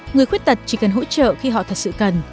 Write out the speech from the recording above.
người khuyết tật chỉ cần hỗ trợ khi họ thật sự cần